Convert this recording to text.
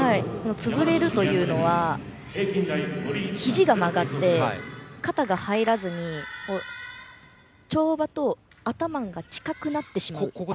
潰れるというのはひじが曲がって肩が入らずに跳馬と頭が近くなってしまう。